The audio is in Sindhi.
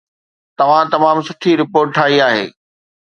توهان تمام سٺي رپورٽ ٺاهي آهي